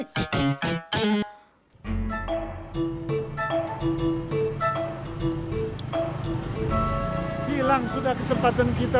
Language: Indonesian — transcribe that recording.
hilang sudah kesempatan kita